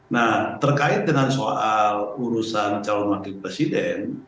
nah terkait dengan soal urusan calon wakil presiden